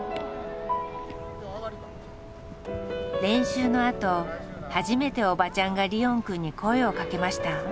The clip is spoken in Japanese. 練習のあと初めておばちゃんがリオンくんに声をかけました。